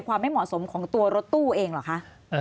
ไม่เหมาะสมของตัวรถตู้เองเหรอคะ